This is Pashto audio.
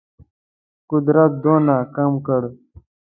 قدرت دونه کم کړ.